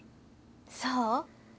そう？